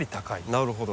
なるほど。